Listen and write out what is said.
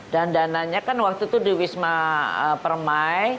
dan dananya kan waktu itu di wisma permai